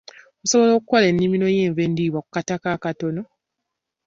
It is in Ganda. Osobola okola ennimiro y'enva endirwa ku kataka akatono.